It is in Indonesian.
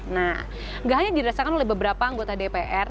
nah nggak hanya dirasakan oleh beberapa anggota dpr